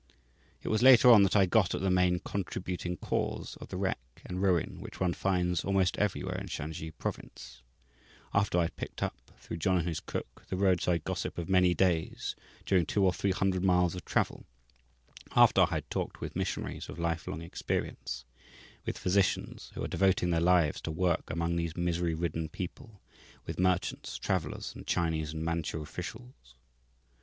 It was later on that I got at the main contributing cause of the wreck and ruin which one finds almost everywhere in Shansi Province, after I had picked up, through John and his cook, the roadside gossip of many days during two or three hundred miles of travel, after I had talked with missionaries of life long experience, with physicians who are devoting their lives to work among these misery ridden people, with merchants, travellers, and Chinese and Manchu officials.